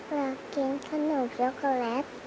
อยากกินขนมช็อกโกแลต